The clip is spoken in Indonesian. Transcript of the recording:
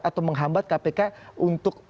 atau menghambat kpk untuk